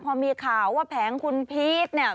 พอมีข่าวว่าแผงคุณพีชเนี่ย